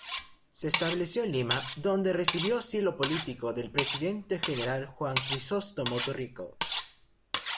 Se estableció en Lima, donde recibió asilo político del presidente general Juan Crisóstomo Torrico.